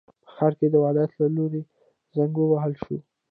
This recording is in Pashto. په ښار کې د ولایت له لوري زنګ ووهل شو.